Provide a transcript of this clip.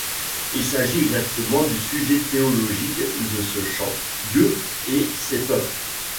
Il s'agit exactement du sujet théologique de ce chant, Dieu et ses peuples.